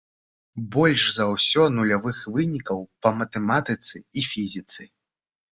Больш за ўсё нулявых вынікаў па матэматыцы і фізіцы.